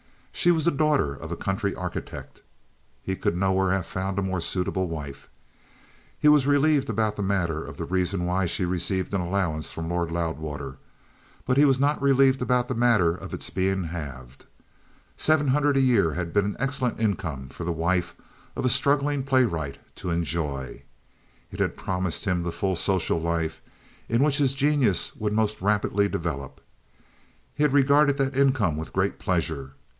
She was the daughter of a country architect. He could nowhere have found a more suitable wife. He was relieved about the matter of the reason why she received an allowance from Lord Loudwater; but he was not relieved about the matter of its being halved. Seven hundred a year had been an excellent income for the wife of a struggling playwright to enjoy. It had promised him the full social life in which his genius would most rapidly develop. He had regarded that income with great pleasure.